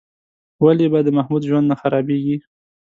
ولې به د محمود ژوند نه خرابېږي؟